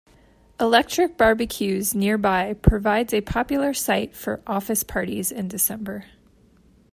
Electric barbecues nearby provides a popular site for office parties in December.